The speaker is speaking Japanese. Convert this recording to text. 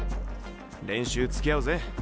練習つきあうぜ。